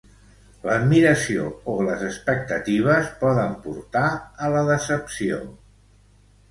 L'admiració o les expectatives poden portar a la decepció.